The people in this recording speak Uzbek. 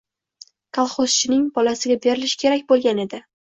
Kolxozchining bolasiga berilishi kerak bo‘lgan edi.